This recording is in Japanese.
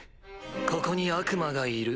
「ここに悪魔がいる」